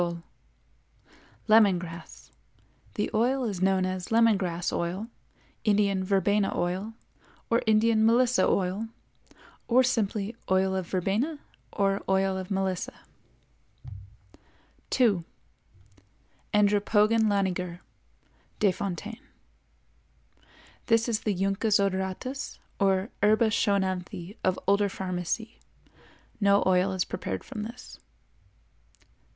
—Lemon Grass. The oil is known as Lemon Grass Oil, Indian Verbena Oil or Indian Melissa Oil, or simply Oil of Verbena or Oil of Melissa. 2. Andropogon laniger Desf.—This is the Juncus odoratus or Herba Schoenanthi of older pharmacy. No oil is prepared from this.